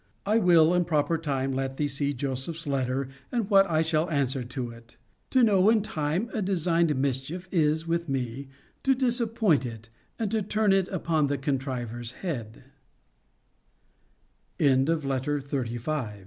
But I will, in proper time, let thee see Joseph's letter, and what I shall answer to it.* To know in time a designed mischief, is, with me, to disappoint it, and to turn it upon the contriver's head. * See Letters XLVII., XLVIII.